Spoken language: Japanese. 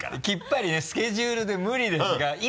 きっぱりね「スケジュールで無理です」が。